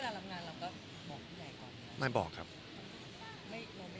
หรือว่าเรียนงานได้หมดได้ไหม